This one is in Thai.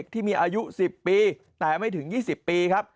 ที่มีอายุ๑๐ปีแต่ไม่ถึง๒๐ปีครับ